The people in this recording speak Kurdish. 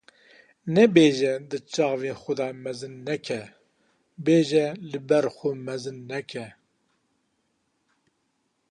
Nebêje di çavê xwe de mezin neke. Bêje li ber xwe mezin neke